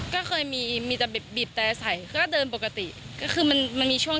ก็เคยมีมีแต่บีบแต่ใส่ก็เดินปกติก็คือมันมันมีช่วง